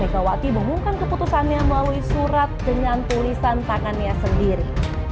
megawati mengumumkan keputusannya melalui surat dengan tulisan tangannya sendiri